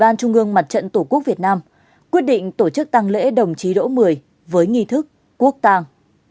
ngương mặt trận tổ quốc việt nam quyết định tổ chức tăng lễ đồng chí đỗ mười với nghi thức quốc tàng